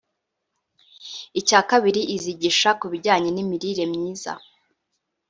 icya kabiri izigisha ku bijyanye n’imirire myiza